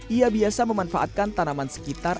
ia biasa memanfaatkan tanaman sekitar